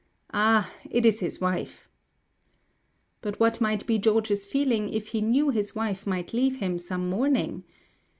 'Ah, it is his wife.' But what might be George's feeling if he knew his wife might leave him some morning?